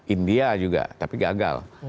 india juga tapi gagal